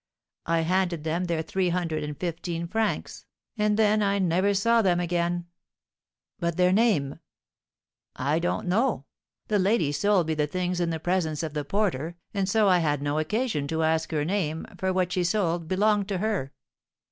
I handed them their three hundred and fifteen francs, and then I never saw them again." "But their name?" "I don't know; the lady sold me the things in the presence of the porter, and so I had no occasion to ask her name, for what she sold belonged to her."